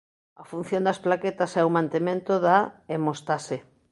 A función das plaquetas é o mantemento da hemostase.